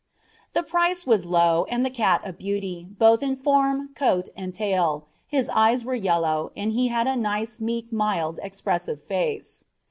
The price was low and the cat "a beauty," both in form, coat, and tail, his eyes were yellow, and he had a nice, meek, mild, expressive face.